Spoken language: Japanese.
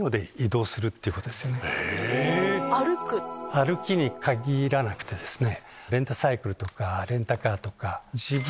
歩きに限らなくてですね。